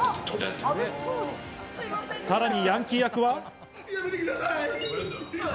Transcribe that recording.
さらにヤンキー役は。